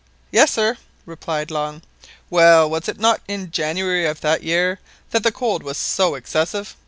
"Yes, sir," replied Long. "Well, was it not in January of that year that the cold was so excessive?"